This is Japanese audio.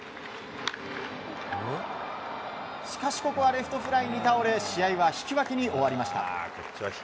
しかしここはレフトフライに倒れ試合は引き分けに終わりました。